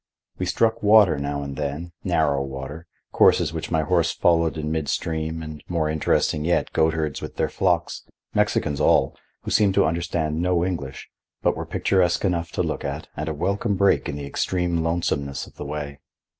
We struck water now and then,—narrow water—courses which my horse followed in mid stream, and, more interesting yet, goatherds with their flocks, Mexicans all, who seemed to understand no English, but were picturesque enough to look at and a welcome break in the extreme lonesomeness of the way.